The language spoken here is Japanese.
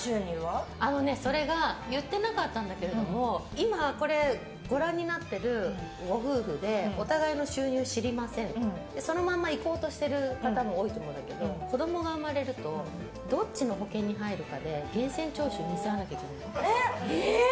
今、これ、ご覧になってるご夫婦でお互いの収入を知りませんとそのままいこうとしている方も多いと思うんだけど子供が生まれるとどっちの保険に入るかで源泉徴収見せ合わなきゃいけないの。